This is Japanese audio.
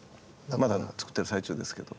まだ作ってる最中ですけど。